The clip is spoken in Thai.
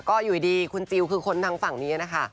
ก็อยู่ดีคุณจิลคือคนทางฝั่งนี้นะคะ